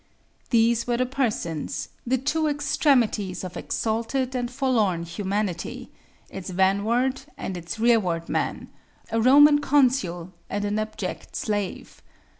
These were the persons, the two extremities of exalted and forlorn humanity, its vanward and its rearward man, a Roman consul and an abject slave.